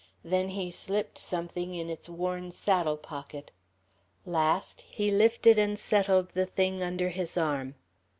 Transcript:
Then he slipped something in its worn saddle pocket. Last, he lifted and settled the thing under his arm.